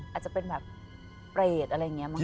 อาจจะเป็นแบบเปรตอะไรอย่างนี้มั